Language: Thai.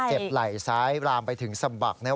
เจ็บไหล่ซ้ายรามไปถึงสมบัครนะครับ